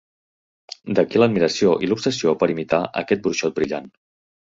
D'aquí l'admiració i l'obsessió per imitar aquest bruixot brillant.